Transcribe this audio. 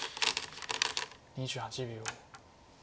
２８秒。